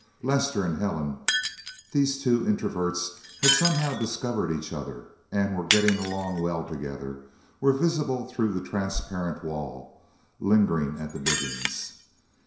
Lester and Helen these two introverts had somehow discovered each other, and were getting along well together were visible through the transparent wall, lingering at the diggings.